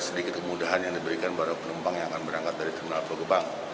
sedikit kemudahan yang diberikan para penumpang yang akan berangkat dari terminal pulau gebang